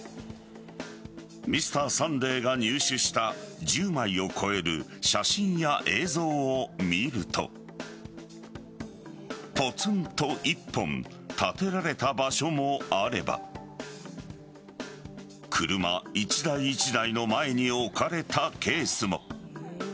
「Ｍｒ．サンデー」が入手した１０枚を超える写真や映像を見るとぽつんと１本立てられた場所もあれば車１台１台の前に置かれたケースも。